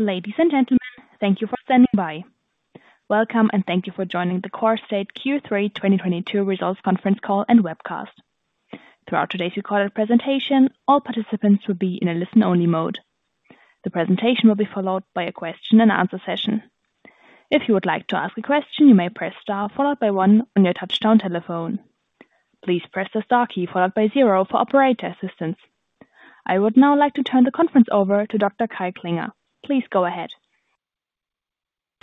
Ladies and gentlemen, thank you for standing by. Welcome, and thank you for joining the Corestate Q3 2022 Results Conference Call and Webcast. Throughout today's recorded presentation, all participants will be in a listen-only mode. The presentation will be followed by a question and answer session. If you would like to ask a question, you may press star followed by one on your touch-tone telephone. Please press the star key followed by zero for operator assistance. I would now like to turn the conference over to Dr. Kai Klinger. Please go ahead.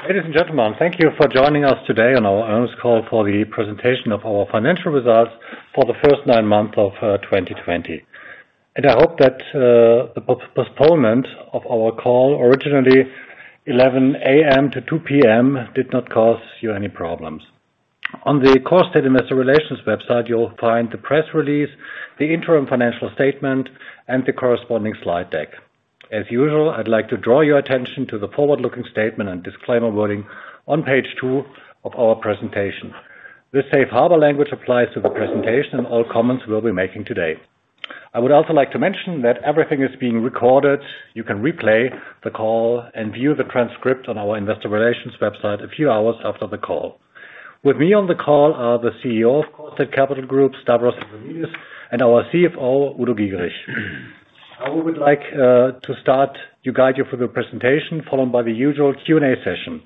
Ladies and gentlemen, thank you for joining us today on our earnings call for the presentation of our financial results for the first nine months of 2020. I hope that the postponement of our call originally 11:00 A.M. to 2:00 P.M. did not cause you any problems. On the Corestate Investor Relations website, you'll find the press release, the interim financial statement, and the corresponding slide deck. As usual, I'd like to draw your attention to the forward-looking statement and disclaimer wording on page two of our presentation. This safe harbor language applies to the presentation and all comments we'll be making today. I would also like to mention that everything is being recorded. You can replay the call and view the transcript on our investor relations website a few hours after the call. With me on the call are the CEO of Corestate Capital Group, Stavros Efremidis, and our CFO, Udo Giegerich. I would like to start to guide you through the presentation, followed by the usual Q&A session.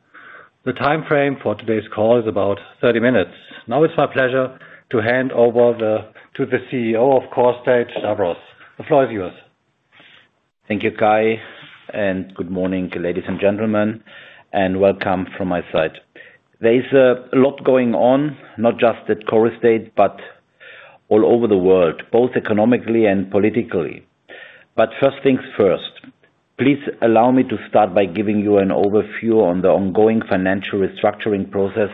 The timeframe for today's call is about 30 minutes. Now it's my pleasure to hand over to the CEO of Corestate, Stavros. The floor is yours. Thank you, Kai, and good morning, ladies and gentlemen, and welcome from my side. There is a lot going on, not just at Corestate, but all over the world, both economically and politically. First things first. Please allow me to start by giving you an overview on the ongoing financial restructuring process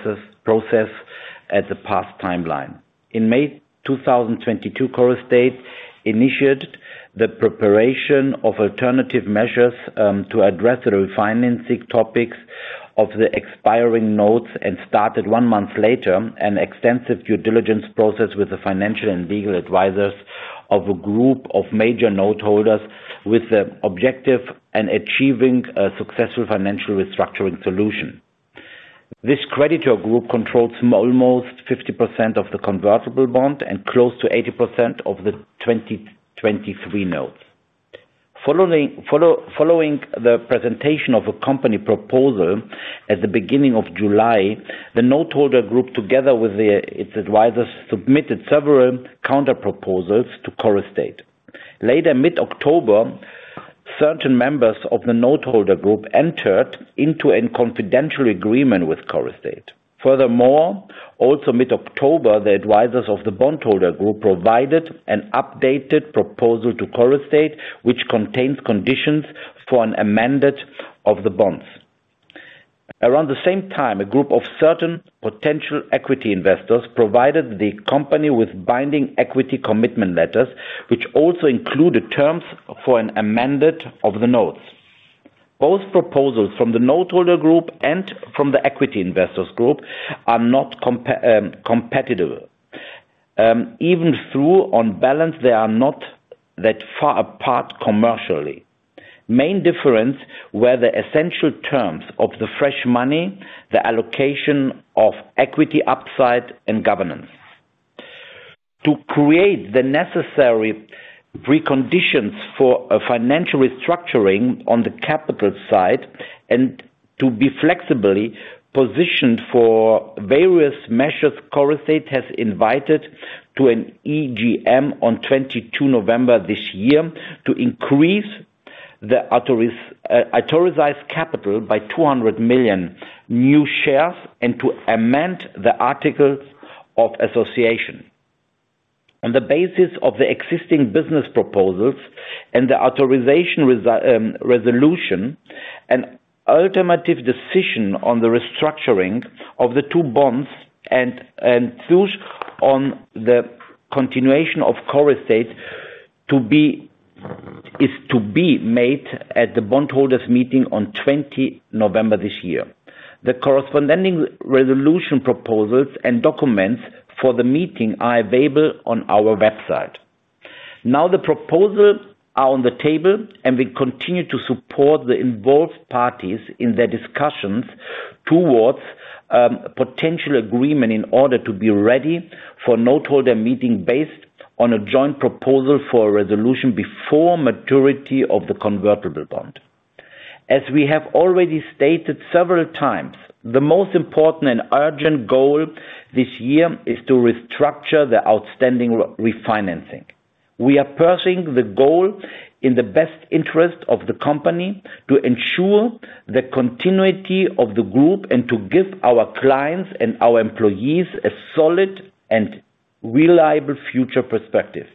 at the past timeline. In May 2022, Corestate initiated the preparation of alternative measures to address the refinancing topics of the expiring notes and started one month later an extensive due diligence process with the financial and legal advisors of a group of major note holders with the objective in achieving a successful financial restructuring solution. This creditor group controls almost 50% of the convertible bond and close to 80% of the 2023 notes. Following the presentation of a company proposal at the beginning of July, the noteholder group, together with its advisors, submitted several counter proposals to Corestate. Later, mid-October, certain members of the noteholder group entered into a confidential agreement with Corestate. Furthermore, also mid-October, the advisors of the bondholder group provided an updated proposal to Corestate, which contains conditions for an amendment of the bonds. Around the same time, a group of certain potential equity investors provided the company with binding equity commitment letters, which also included terms for an amendment of the notes. Both proposals from the noteholder group and from the equity investors group are not compatible. Even though on balance, they are not that far apart commercially. Main difference were the essential terms of the fresh money, the allocation of equity upside and governance. To create the necessary preconditions for a financial restructuring on the capital side and to be flexibly positioned for various measures Corestate has invited to an EGM on 22 November this year to increase the authorized capital by 200 million new shares and to amend the articles of association. On the basis of the existing business proposals and the authorization resolution, an alternative decision on the restructuring of the two bonds and those on the continuation of Corestate is to be made at the bondholders meeting on 20 November this year. The corresponding resolution proposals and documents for the meeting are available on our website. Now the proposal are on the table, and we continue to support the involved parties in their discussions towards potential agreement in order to be ready for noteholder meeting based on a joint proposal for a resolution before maturity of the convertible bond. As we have already stated several times, the most important and urgent goal this year is to restructure the outstanding refinancing. We are pursuing the goal in the best interest of the company to ensure the continuity of the group and to give our clients and our employees a solid and reliable future perspective.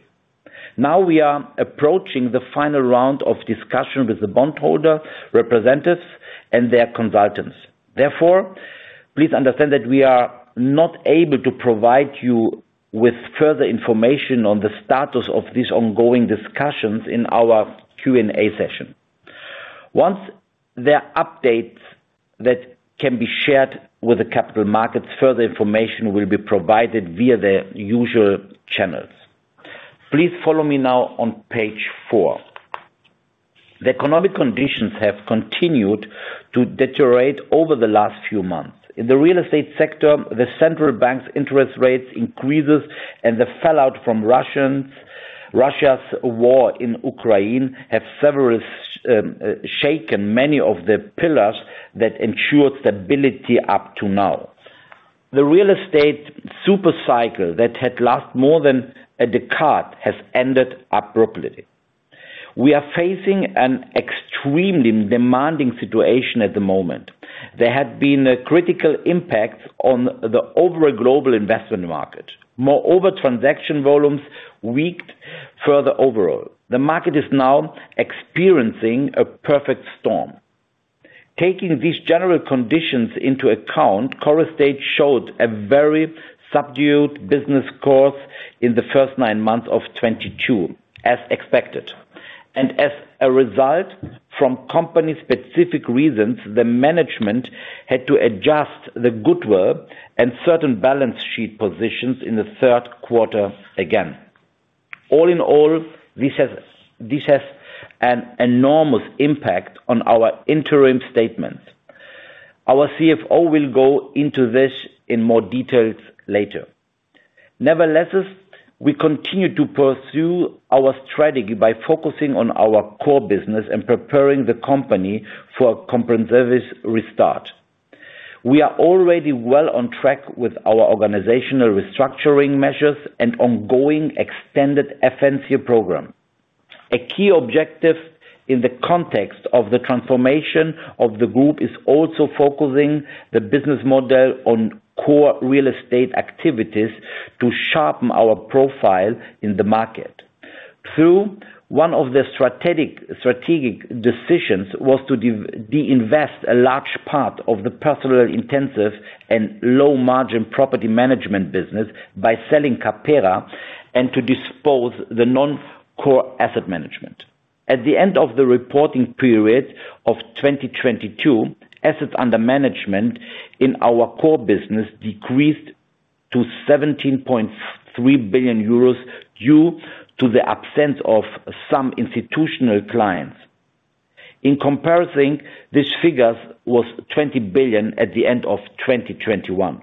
Now we are approaching the final round of discussion with the bond holder representatives and their consultants. Therefore, please understand that we are not able to provide you with further information on the status of these ongoing discussions in our Q&A session. Once there are updates that can be shared with the capital markets, further information will be provided via the usual channels. Please follow me now on page four. The economic conditions have continued to deteriorate over the last few months. In the real estate sector, the central bank's interest rates increases and the fallout from Russia's war in Ukraine have severely shaken many of the pillars that ensured stability up to now. The real estate super cycle that had lasted more than a decade has ended abruptly. We are facing an extremely demanding situation at the moment. There have been critical impacts on the overall global investment market. Moreover, transaction volumes weakened further overall. The market is now experiencing a perfect storm. Taking these general conditions into account, Corestate showed a very subdued business course in the first nine months of 2022, as expected. As a result from company specific reasons, the management had to adjust the goodwill and certain balance sheet positions in the third quarter again. All in all, this has an enormous impact on our interim statements. Our CFO will go into this in more details later. Nevertheless, we continue to pursue our strategy by focusing on our core business and preparing the company for a comprehensive restart. We are already well on track with our organizational restructuring measures and ongoing extended offensive program. A key objective in the context of the transformation of the group is also focusing the business model on core real estate activities to sharpen our profile in the market. Two, one of the strategic decisions was to divest a large part of the personnel intensive and low margin property management business by selling Capera and to dispose the non-core asset management. At the end of the reporting period of 2022, assets under management in our core business decreased to 17.3 billion euros due to the absence of some institutional clients. In comparison, these figures was 20 billion at the end of 2021.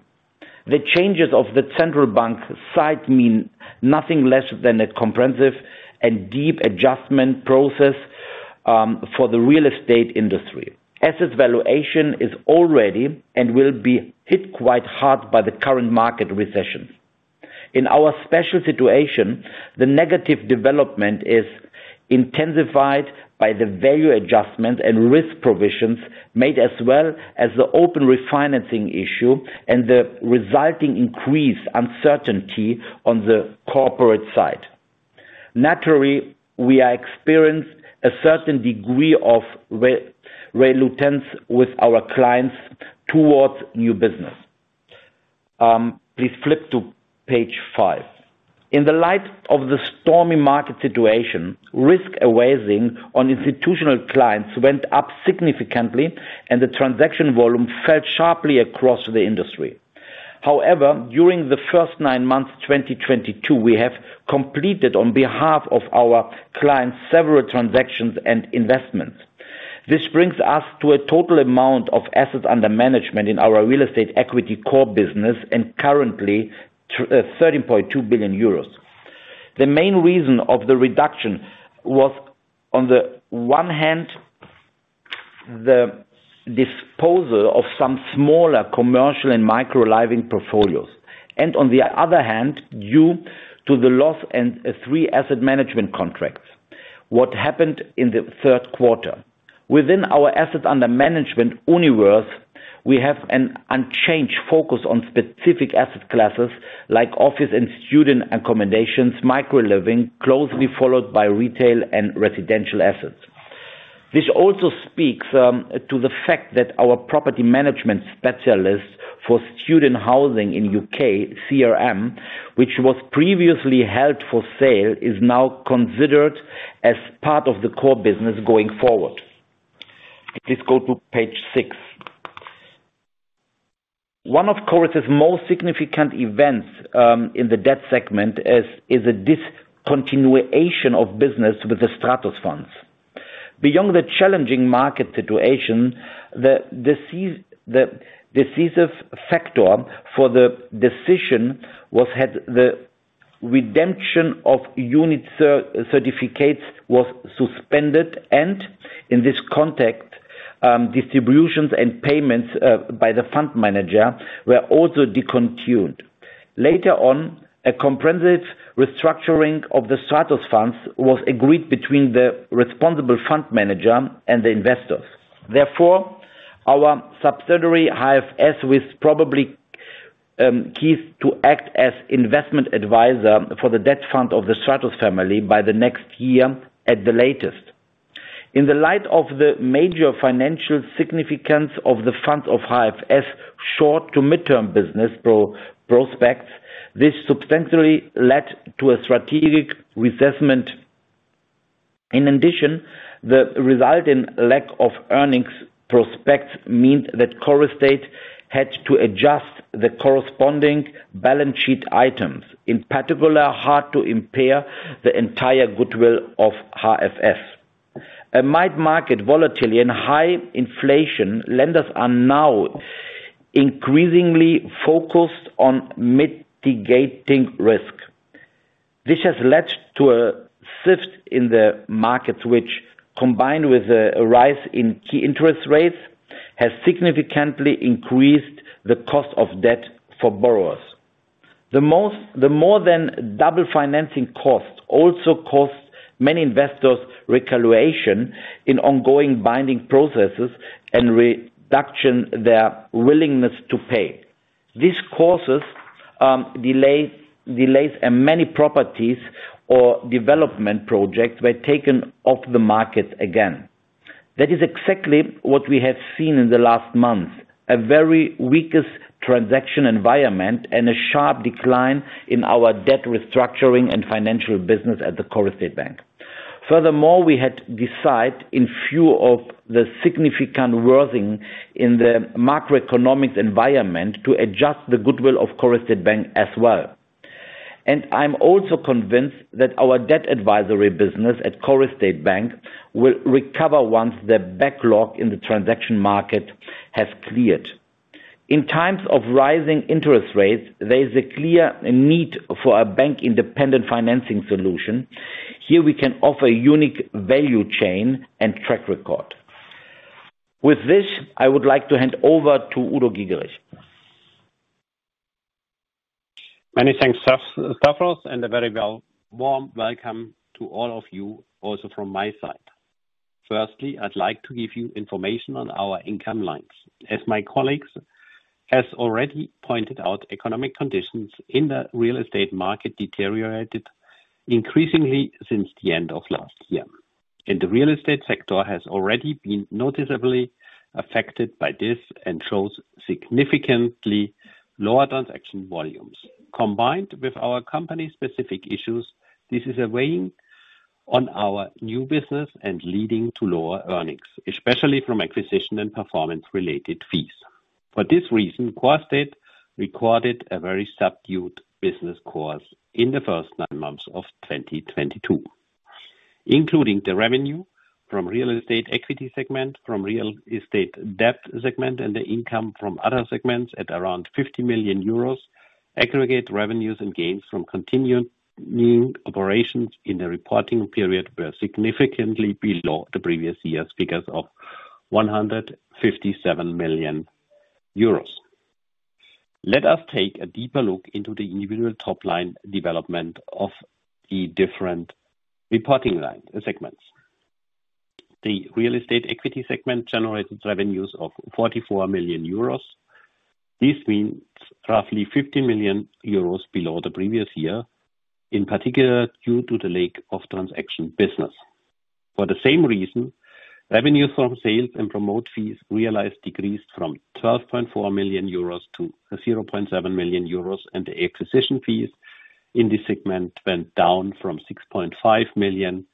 The changes of the central bank side mean nothing less than a comprehensive and deep adjustment process for the real estate industry. Assets valuation is already and will be hit quite hard by the current market recession. In our special situation, the negative development is intensified by the value adjustment and risk provisions made, as well as the open refinancing issue and the resulting increased uncertainty on the corporate side. Naturally, we are experiencing a certain degree of reluctance with our clients towards new business. Please flip to page five. In the light of the stormy market situation, risk aversion on institutional clients went up significantly, and the transaction volume fell sharply across the industry. However, during the first nine months, 2022, we have completed, on behalf of our clients, several transactions and investments. This brings us to a total amount of assets under management in our real estate equity core business and currently 13.2 billion euros. The main reason of the reduction was on the one hand, the disposal of some smaller commercial and micro living portfolios. On the other hand, due to the loss of three asset management contracts, what happened in the third quarter. Within our assets under management universe, we have an unchanged focus on specific asset classes like office and student accommodations, micro living, closely followed by retail and residential assets. This also speaks to the fact that our property management specialist for student housing in the U.K., CRM, which was previously held for sale, is now considered as part of the core business going forward. Please go to page six. One of Corestate's most significant events in the debt segment is a discontinuation of business with the Stratos funds. Beyond the challenging market situation, the decisive factor for the decision was that the redemption of unit certificates was suspended. In this context, distributions and payments by the fund manager were also discontinued. Later on, a comprehensive restructuring of the Stratos funds was agreed between the responsible fund manager and the investors. Therefore, our subsidiary, HFS, will probably cease to act as investment advisor for the debt fund of the Stratos family by next year at the latest. In the light of the major financial significance of the funds of HFS short- to mid-term business prospects, this substantially led to a strategic reassessment. In addition, the resulting lack of earnings prospects meant that Corestate had to adjust the corresponding balance sheet items, in particular, had to impair the entire goodwill of HFS. Amid market volatility and high inflation, lenders are now increasingly focused on mitigating risk. This has led to a shift in the markets which, combined with a rise in key interest rates, has significantly increased the cost of debt for borrowers. The more than double financing cost also caused many investors reevaluation in ongoing bidding processes and reducing their willingness to pay. This causes delays and many properties or development projects were taken off the market again. That is exactly what we have seen in the last month, a very weak transaction environment and a sharp decline in our debt restructuring and financial business at the Corestate Bank. Furthermore, we decided, in view of the significant worsening in the macroeconomic environment, to adjust the goodwill of Corestate Bank as well. I'm also convinced that our debt advisory business at Corestate Bank will recover once the backlog in the transaction market has cleared. In times of rising interest rates, there is a clear need for a bank-independent financing solution. Here we can offer a unique value chain and track record. With this, I would like to hand over to Udo Giegerich. Many thanks, Stavros, and a warm welcome to all of you also from my side. Firstly, I'd like to give you information on our income lines. As my colleagues has already pointed out, economic conditions in the real estate market deteriorated increasingly since the end of last year. The real estate sector has already been noticeably affected by this and shows significantly lower transaction volumes. Combined with our company's specific issues, this is a weighing on our new business and leading to lower earnings, especially from acquisition and performance-related fees. For this reason, Corestate recorded a very subdued business course in the first nine months of 2022. Including the revenue from real estate equity segment, from real estate debt segment, and the income from other segments at around 50 million euros. Aggregate revenues and gains from continued new operations in the reporting period were significantly below the previous year's figures of 157 million euros. Let us take a deeper look into the individual top line development of the different reporting line segments. The real estate equity segment generated revenues of 44 million euros. This means roughly 50 million euros below the previous year, in particular, due to the lack of transaction business. For the same reason, revenue from sales and promote fees realized decreased from 12.4 million euros to 0.7 million euros, and the acquisition fees in this segment went down from 6.5 million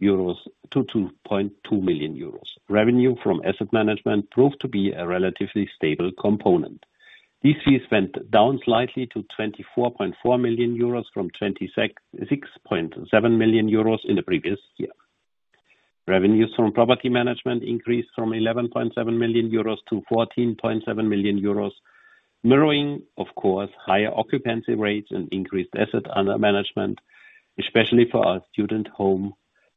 euros to 2.2 million euros. Revenue from asset management proved to be a relatively stable component. These fees went down slightly to 24.4 million euros from 26.7 million euros in the previous year. Revenues from property management increased from 11.7 million euros to 14.7 million euros, mirroring, of course, higher occupancy rates and increased assets under management, especially for our student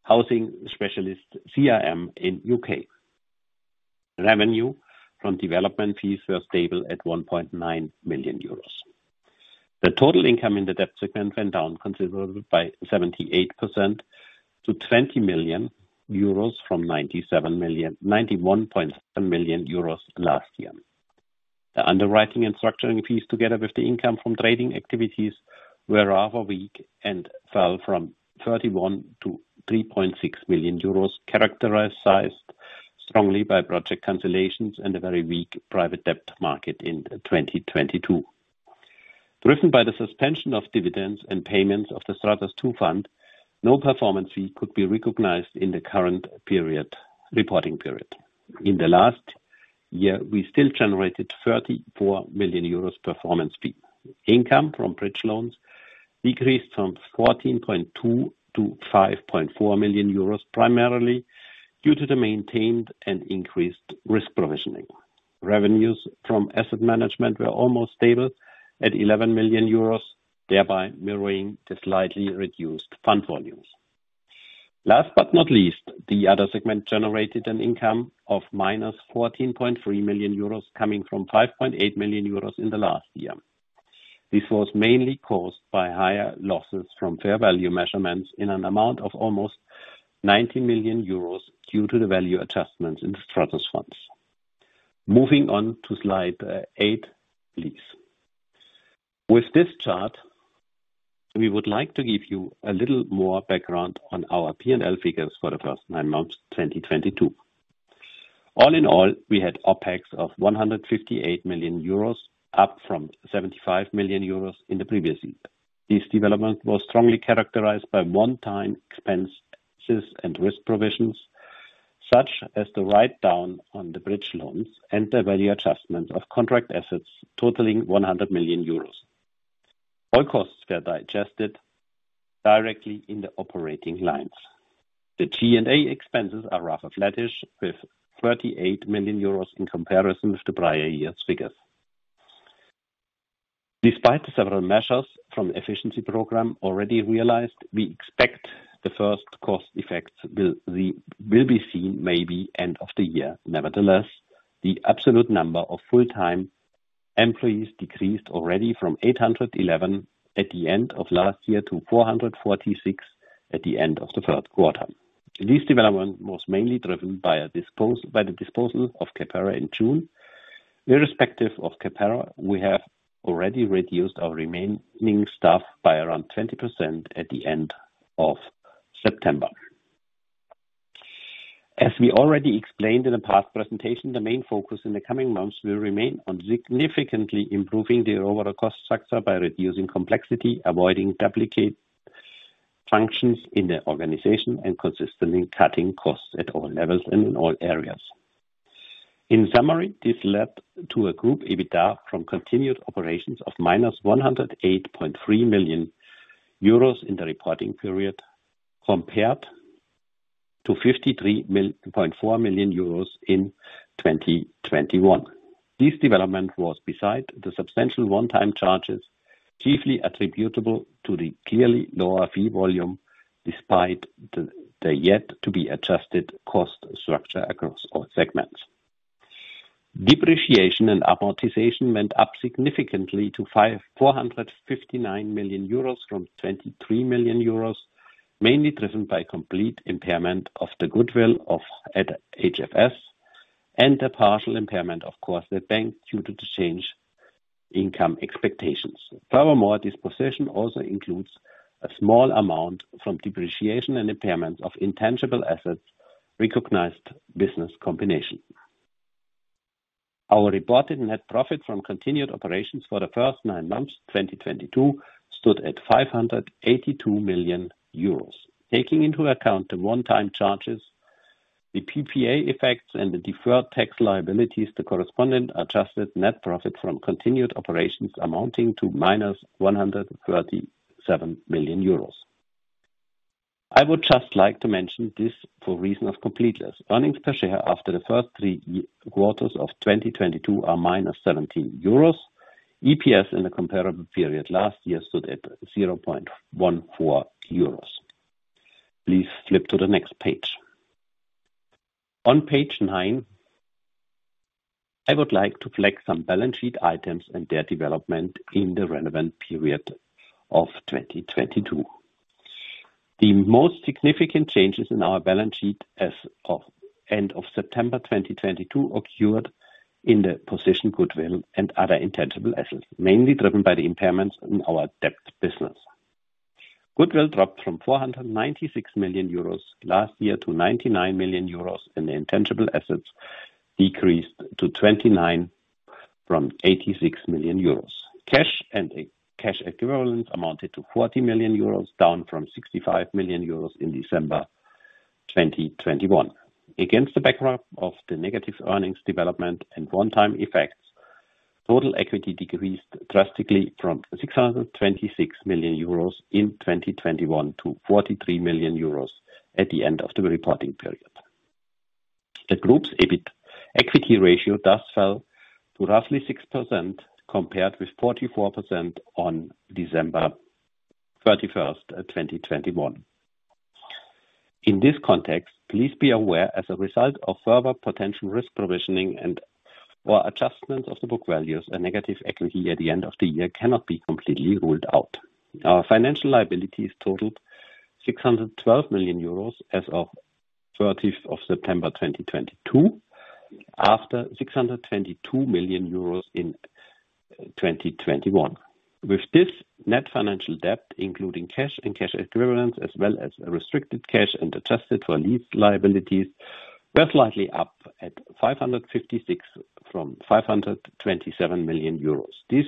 housing specialist, CRM in U.K. Revenue from development fees were stable at 1.9 million euros. The total income in the debt segment went down considerably by 78% to 20 million euros from 91.7 million euros last year. The underwriting and structuring fees, together with the income from trading activities, were rather weak and fell from 31 million to 3.6 million euros, characterized strongly by project cancellations and a very weak private debt market in 2022. Driven by the suspension of dividends and payments of the Stratos II fund, no performance fee could be recognized in the current reporting period. In the last year, we still generated 34 million euros performance fee. Income from bridge loans decreased from 14.2 million to 5.4 million euros, primarily due to the maintained and increased risk provisioning. Revenues from asset management were almost stable at 11 million euros, thereby mirroring the slightly reduced fund volumes. Last but not least, the other segment generated an income of -14.3 million euros coming from 5.8 million euros in the last year. This was mainly caused by higher losses from fair value measurements in an amount of almost 90 million euros due to the value adjustments in the Stratos funds. Moving on to slide eight, please. With this chart, we would like to give you a little more background on our P&L figures for the first nine months, 2022. All in all, we had OpEx of 158 million euros, up from 75 million euros in the previous year. This development was strongly characterized by one-time expenses and risk provisions, such as the write-down on the bridge loans and the value adjustment of contract assets totaling 100 million euros. All costs were digested directly in the operating lines. The G&A expenses are rather flattish, with 38 million euros in comparison with the prior year's figures. Despite the several measures from the efficiency program already realized, we expect the first cost effects will be seen maybe end of the year. Nevertheless, the absolute number of full-time employees decreased already from 811 at the end of last year, to 446 at the end of the third quarter. This development was mainly driven by the disposal of Capera in June. Irrespective of Capera, we have already reduced our remaining staff by around 20% at the end of September. As we already explained in the past presentation, the main focus in the coming months will remain on significantly improving the overall cost structure by reducing complexity, avoiding duplicate functions in the organization, and consistently cutting costs at all levels and in all areas. In summary, this led to a group EBITDA from continued operations of -108.3 million euros in the reporting period, compared to 53.4 million euros in 2021. This development was despite the substantial one-time charges, chiefly attributable to the clearly lower fee volume, despite the yet to be adjusted cost structure across all segments. Depreciation and amortization went up significantly to 459 million euros from 23 million euros, mainly driven by complete impairment of the goodwill at HFS and the partial impairment of Corestate Bank due to the changed income expectations. Furthermore, this position also includes a small amount from depreciation and impairment of intangible assets recognized business combination. Our reported net profit from continued operations for the first nine months 2022 stood at 582 million euros. Taking into account the one-time charges, the PPA effects and the deferred tax liabilities, the corresponding adjusted net profit from continued operations amounting to -137 million euros. I would just like to mention this for reason of completeness. Earnings per share after the first three quarters of 2022 are -17 euros. EPS in the comparable period last year stood at 0.14 euros. Please flip to the next page. On page nine, I would like to flag some balance sheet items and their development in the relevant period of 2022. The most significant changes in our balance sheet as of end of September 2022 occurred in the position goodwill and other intangible assets, mainly driven by the impairments in our debt business. Goodwill dropped from 496 million euros last year to 99 million euros, and the intangible assets decreased to 29 million from 86 million euros. Cash and cash equivalents amounted to 40 million euros, down from 65 million euros in December 2021. Against the backdrop of the negative earnings development and one-time effects, total equity decreased drastically from 626 million euros in 2021 to 43 million euros at the end of the reporting period. The group's EBIT equity ratio thus fell to roughly 6% compared with 44% on December 31st, 2021. In this context, please be aware as a result of further potential risk provisioning and/or adjustment of the book values, a negative equity at the end of the year cannot be completely ruled out. Our financial liabilities totaled 612 million euros as of September 30, 2022, after 622 million euros in 2021. With this net financial debt, including cash and cash equivalents, as well as restricted cash and adjusted for lease liabilities, were slightly up at 556 million from 527 million euros. This,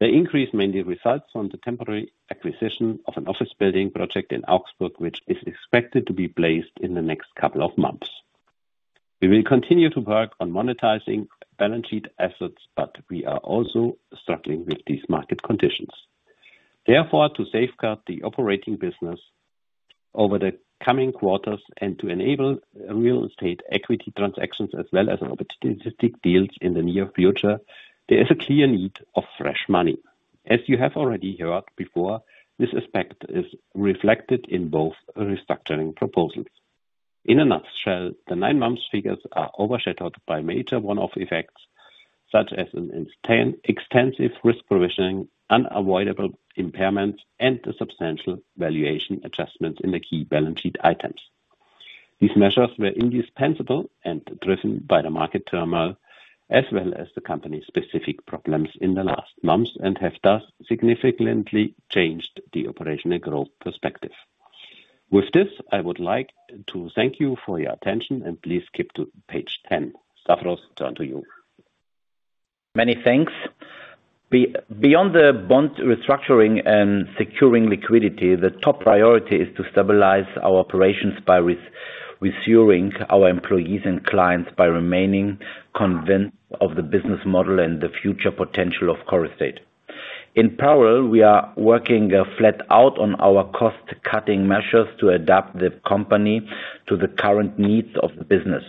the increase mainly results from the temporary acquisition of an office building project in Augsburg, which is expected to be placed in the next couple of months. We will continue to work on monetizing balance sheet assets, but we are also struggling with these market conditions. Therefore, to safeguard the operating business over the coming quarters and to enable real estate equity transactions as well as opportunistic deals in the near future, there is a clear need of fresh money. As you have already heard before, this aspect is reflected in both restructuring proposals. In a nutshell, the nine months figures are overshadowed by major one-off effects, such as an extensive risk provisioning, unavoidable impairments, and the substantial valuation adjustments in the key balance sheet items. These measures were indispensable and driven by the market turmoil as well as the company's specific problems in the last months, and have thus significantly changed the operational growth perspective. With this, I would like to thank you for your attention and please skip to page 10. Stavros, turn to you. Many thanks. Beyond the bond restructuring and securing liquidity, the top priority is to stabilize our operations by reassuring our employees and clients by remaining convinced of the business model and the future potential of Corestate. In parallel, we are working flat out on our cost cutting measures to adapt the company to the current needs of the business.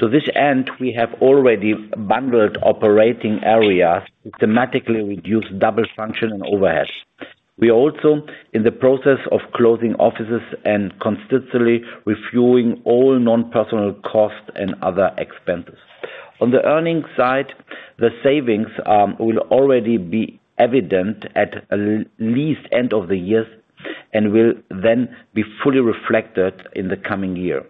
To this end, we have already bundled operating areas to thematically reduce double function and overheads. We are also in the process of closing offices and consistently reviewing all non-personnel costs and other expenses. On the earnings side, the savings will already be evident at the latest by the end of the year and will then be fully reflected in the coming year.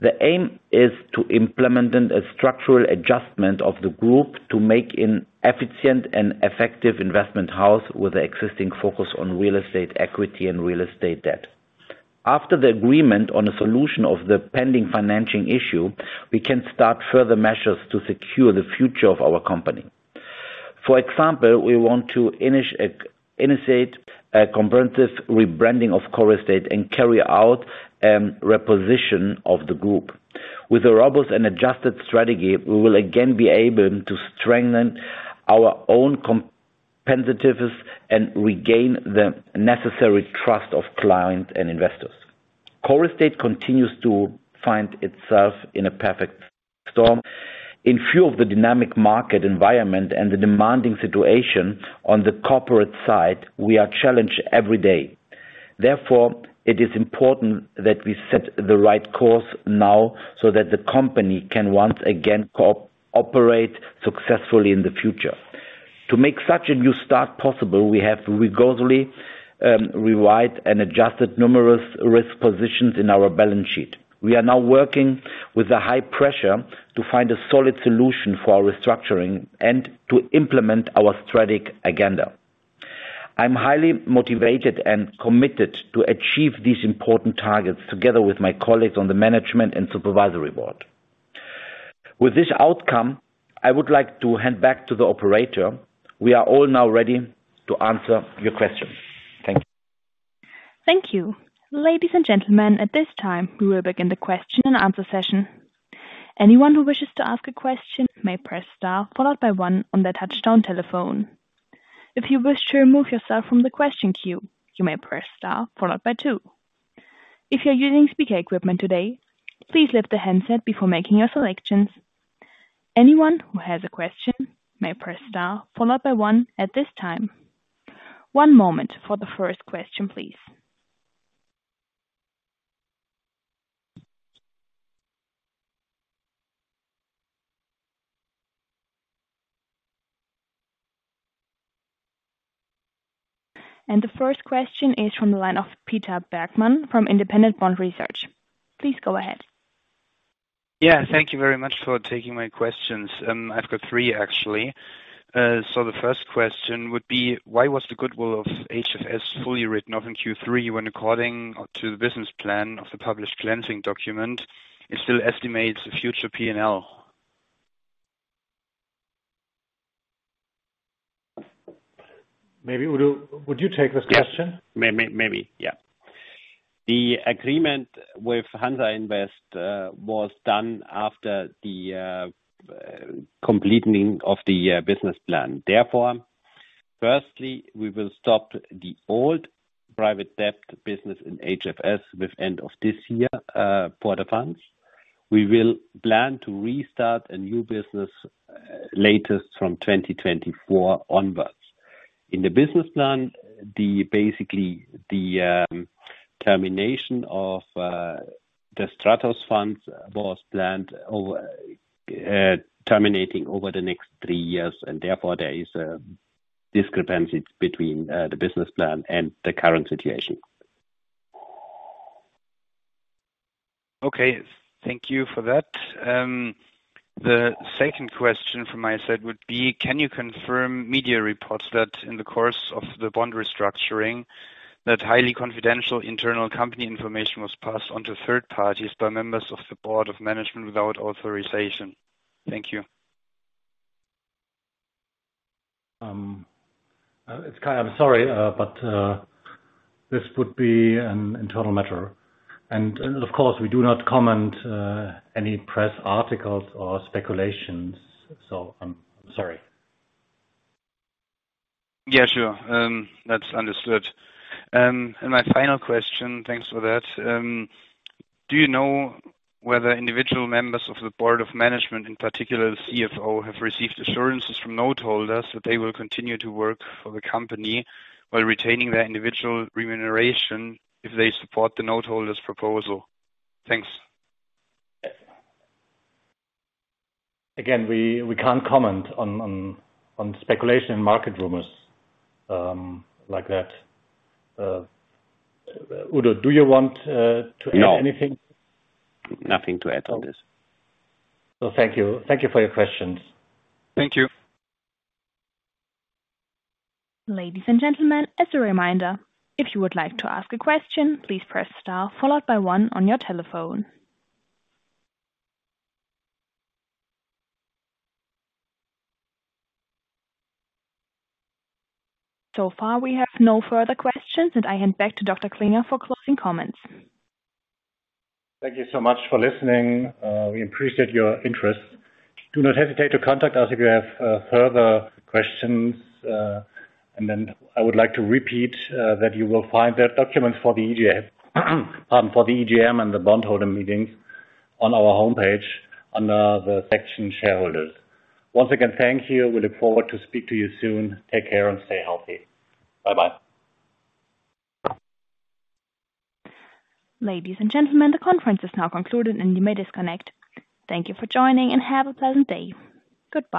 The aim is to implement a structural adjustment of the group to make an efficient and effective investment house with existing focus on real estate equity and real estate debt. After the agreement on a solution of the pending financing issue, we can start further measures to secure the future of our company. For example, we want to initiate a comprehensive rebranding of Corestate and carry out repositioning of the group. With a robust and adjusted strategy, we will again be able to strengthen our own competitiveness and regain the necessary trust of clients and investors. Corestate continues to find itself in a perfect storm. In view of the dynamic market environment and the demanding situation on the corporate side, we are challenged every day. Therefore, it is important that we set the right course now so that the company can once again operate successfully in the future. To make such a new start possible, we have rigorously revised and adjusted numerous risk positions in our balance sheet. We are now working with a high pressure to find a solid solution for our restructuring and to implement our strategic agenda. I'm highly motivated and committed to achieve these important targets together with my colleagues on the management and supervisory board. With this outcome, I would like to hand back to the operator. We are all now ready to answer your questions. Thank you. Thank you. Ladies and gentlemen, at this time, we will begin the question and answer session. Anyone who wishes to ask a question may press star followed by one on their touchtone telephone. If you wish to remove yourself from the question queue, you may press star followed by two. If you're using speaker equipment today, please lift the handset before making your selections. Anyone who has a question may press star followed by one at this time. One moment for the first question, please. The first question is from the line of Peter Bergmann from Independent Bond Research. Please go ahead. Yeah, thank you very much for taking my questions. I've got three, actually. The first question would be: why was the goodwill of HFS fully written off in Q3 when according to the business plan of the published cleansing document, it still estimates the future P&L? Maybe Udo, would you take this question? Yes. Maybe. Yeah. The agreement with HANSAINVEST was done after the completing of the business plan. Therefore, firstly, we will stop the old private debt business in HFS with end of this year for the funds. We will plan to restart a new business latest from 2024 onwards. In the business plan, basically the termination of the Stratos funds was planned, terminating over the next three years. Therefore, there is a discrepancy between the business plan and the current situation. Okay, thank you for that. The second question from my side would be: can you confirm media reports that in the course of the bond restructuring, that highly confidential internal company information was passed on to third parties by members of the board of management without authorization? Thank you. It's Kai. I'm sorry, but this would be an internal matter. Of course, we do not comment on any press articles or speculations, so I'm sorry. Yeah, sure. That's understood. My final question. Thanks for that. Do you know whether individual members of the board of management, in particular the CFO, have received assurances from note holders that they will continue to work for the company while retaining their individual remuneration if they support the note holder's proposal? Thanks. Again, we can't comment on speculation and market rumors, like that. Udo, do you want to add anything? No. Nothing to add on this. Thank you. Thank you for your questions. Thank you. Ladies and gentlemen, as a reminder, if you would like to ask a question, please press star followed by one on your telephone. So far, we have no further questions, and I hand back to Dr. Klinger for closing comments. Thank you so much for listening. We appreciate your interest. Do not hesitate to contact us if you have further questions. I would like to repeat that you will find the document for the EGM and the bondholder meetings on our homepage under the section shareholders. Once again, thank you. We look forward to speak to you soon. Take care and stay healthy. Bye-bye. Ladies and gentlemen, the conference is now concluded and you may disconnect. Thank you for joining and have a pleasant day. Goodbye.